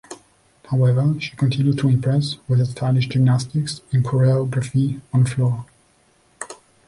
However, she continued to impress with her stylish gymnastics and choreography on floor.